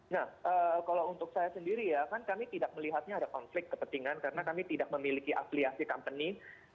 nah kalau untuk saya sendiri ya kan kami tidak melihatnya ada konflik kepentingan karena kami tidak memiliki afiliasi company